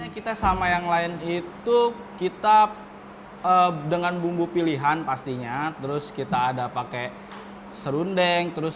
kita sama yang lain itu kita dengan bumbu pilihan pastinya terus kita ada pakai serundeng terus